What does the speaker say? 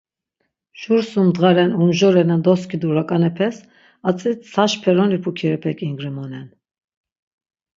Jur sum dğa ren umjore na doskidu rak̆anepes atzi tsaş peroni pukirepek ingrimonen.